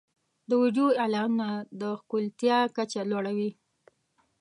د ویډیو اعلانونه د ښکېلتیا کچه لوړوي.